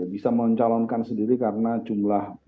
bisa mencalonkan sendiri karena jumlah